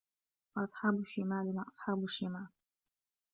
وَأَصْحَابُ الشِّمَالِ مَا أَصْحَابُ الشِّمَالِ